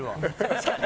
確かに。